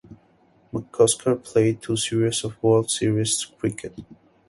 McCosker played two series of World Series Cricket.